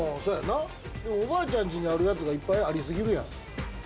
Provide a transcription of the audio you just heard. おばあちゃんちにあるやつがいっぱいあり過ぎるやん。